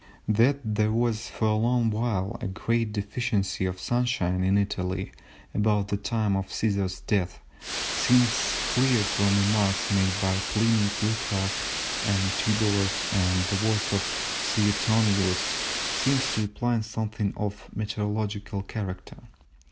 That there was for a long while a great deficiency of sunshine in Italy about the time of Cæsar's death seems clear from remarks made by Pliny, Plutarch, and Tibullus, and the words of Suetonius seem to imply something of a meteorological character.